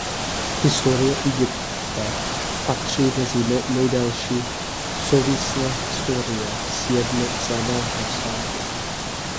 Historie Egypta patří mezi nejdelší souvislé historie sjednoceného státu.